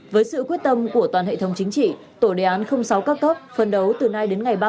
với sự quyết tâm của toàn hệ thống chính trị tổ đề án sáu các cấp phân đấu từ nay đến ngày ba mươi